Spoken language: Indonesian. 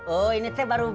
oh ini teh baru bikin